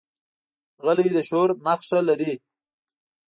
غلی، د شعور نښه لري.